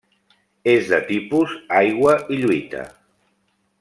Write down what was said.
És de tipus aigua i lluita.